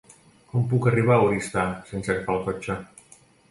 Com puc arribar a Oristà sense agafar el cotxe?